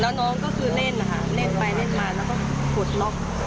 แล้วน้องก็คือเล่นนะคะเล่นไปเล่นมาแล้วก็กดล็อก